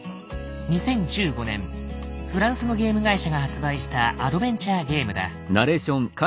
２０１５年フランスのゲーム会社が発売したアドベンチャーゲームだ。